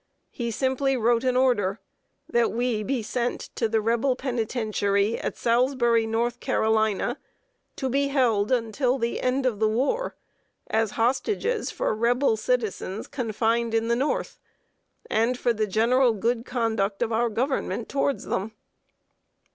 He simply wrote an order that we be sent to the Rebel penitentiary at Salisbury, North Carolina, to be held until the end of the war, as hostages for Rebel citizens confined in the North, and for the general good conduct of our Government toward them!